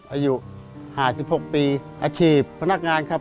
อายุ๕๖ปีอาชีพพนักงานครับ